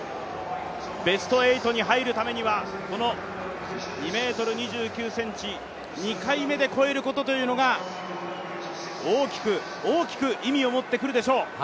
ベスト８に入るためには、２ｍ２９ｃｍ、２回目で越えることというのが大きく、大きく意味を持ってくるでしょう。